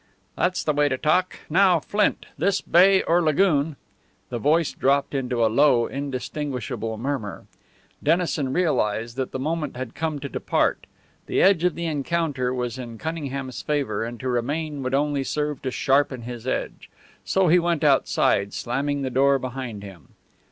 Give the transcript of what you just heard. "That's the way to talk. Now, Flint, this bay or lagoon " The voice dropped into a low, indistinguishable murmur. Dennison realized that the moment had come to depart; the edge of the encounter was in Cunningham's favour and to remain would only serve to sharpen this edge. So he went outside, slamming the door behind him.